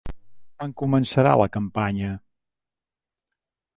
Quan començarà la campanya?